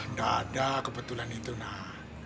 gak ada kebetulan itu nak